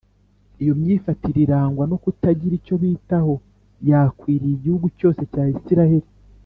. Iyo myifatire irangwa no kutagira icyo bitaho yakwiriye igihugu cyose cya Isiraheli